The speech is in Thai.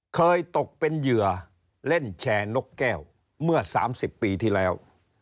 เคยตกเป็นเหยื่อเล่นแชร์นกแก้วเมื่อ๓๐ปีที่แล้ว